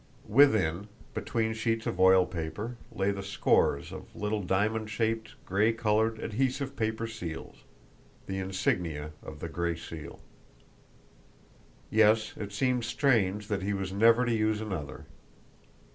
Within, between sheets of oil paper, lay the scores of little diamond shaped, gray coloured, adhesive paper seals the insignia of the Gray Seal. Yes, it seemed strange that he was never to use another!